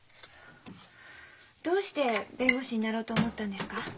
どうして弁護士になろうと思ったんですか？